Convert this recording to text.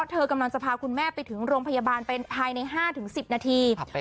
เธอกำลังจะพาคุณแม่ไปถึงโรงพยาบาลไปภายใน๕๑๐นาที